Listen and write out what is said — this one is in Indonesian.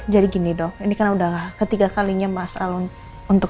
jadi gini dong ini karena udahlah ketiga kalinya mas alun untuk